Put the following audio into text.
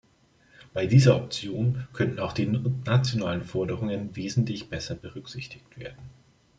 Bei dieser Option könnten auch die nationalen Forderungen wesentlich besser berücksichtigt werden.